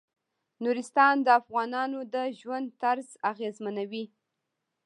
نورستان د افغانانو د ژوند طرز اغېزمنوي.